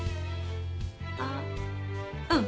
あっうん。